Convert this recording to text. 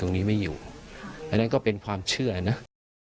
อยู่ตรงนี้ไม่อยู่อันนั้นก็เป็นความเชื่อเนาะ